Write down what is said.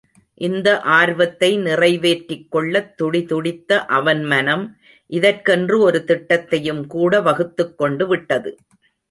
இந்த ஆர்வத்தை நிறைவேற்றிக் கொள்ளத் துடிதுடித்த அவன் மனம், இதற்கென்று ஒரு திட்டத்தையும் கூட வகுத்துக் கொண்டுவிட்டது.